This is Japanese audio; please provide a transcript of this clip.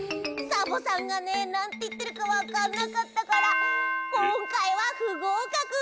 サボさんがねなんていってるかわかんなかったからこんかいはふごうかく！